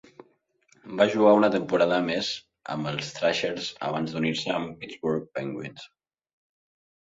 Va jugar una temporada més amb els Thrashers abans d'unir-se als Pittsburgh Penguins.